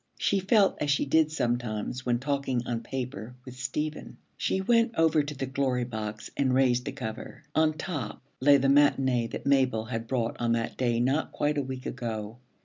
She felt as she did sometimes when talking on paper with Stephen. She went over to the Glory Box and raised the cover. On top lay the matinée that Mabel had brought on that day not quite a week ago.